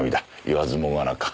言わずもがなか。